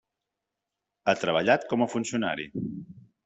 Ha treballat com a funcionari.